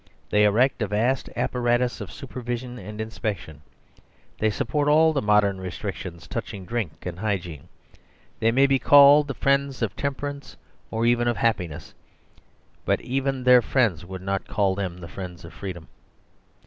They erect a vast apparatus of supervision and inspection ; they support all the modern restrictions touch ing drink and hygiene. They may be called the friends of temperance or even of happi ness; but even their friends would not call them the friends of freedom.